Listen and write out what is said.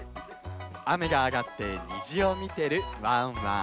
あめがあがってにじをみてるワンワン。